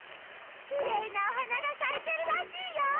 きれいなおはながさいてるらしいよ！